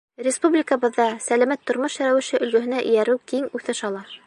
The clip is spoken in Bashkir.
Республикабыҙҙа сәләмәт тормош рәүеше өлгөһөнә эйәреү киң үҫеш ала.